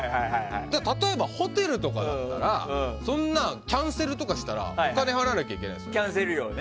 例えば、ホテルとかだったらそんなキャンセルとかしたらお金払わないといけないですね。